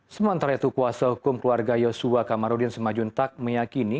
sementara itu kuasa hukum keluarga yosua kamarudin simajuntak meyakini